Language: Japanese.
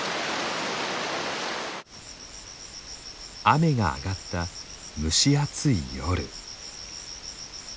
雨が上がった蒸し暑い夜。